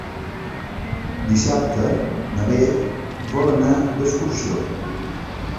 Dissabte na Bet vol anar d'excursió.